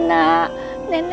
opeda pada saya